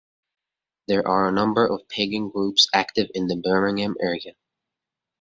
There are a number of Pagan groups active in the Birmingham area.